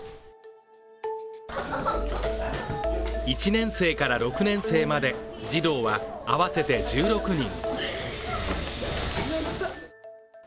１年生から６年生まで児童は合わせて１６人。